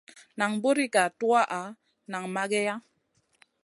Nan buri ga tuwaʼa nang mageya.